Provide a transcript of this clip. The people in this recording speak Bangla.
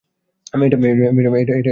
এটা লস এঞ্জেলস।